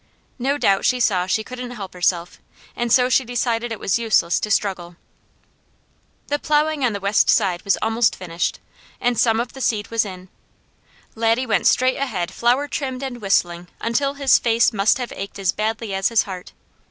No doubt she saw she couldn't help herself, and so she decided it was useless to struggle. The plowing on the west side was almost finished, and some of the seed was in. Laddie went straight ahead flower trimmed and whistling until his face must have ached as badly as his heart.